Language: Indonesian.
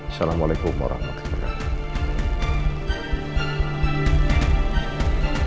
assalamualaikum warahmatullahi wabarakatuh